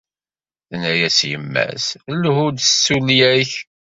Tenna-as yemma-s lhu-d d tsulya-k